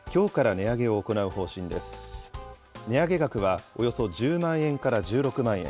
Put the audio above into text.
値上げ額はおよそ１０万円から１６万円。